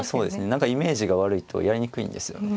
何かイメージが悪いとやりにくいんですよね。